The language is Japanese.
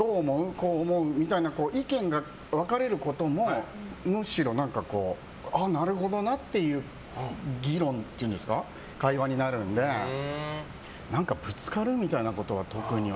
こう思うみたいな意見が分かれることもむしろ、なるほどなっていう議論というんですかそういう会話になるのでぶつかるみたいなことは特には。